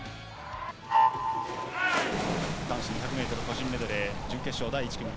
男子２００メートル個人メドレー準決勝第１組。